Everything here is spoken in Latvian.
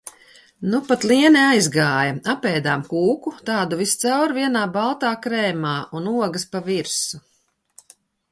Nupat Liene aizgāja, apēdām kūku, tādu viscaur vienā baltā krēmā un ogas pa virsu.